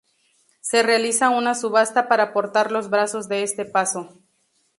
Se realiza una subasta para portar los brazos de este paso.